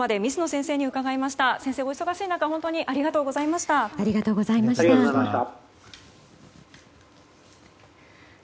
先生、お忙しい中本当にありがとうございました。